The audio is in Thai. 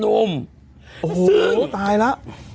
โอ้โหตายล่ะ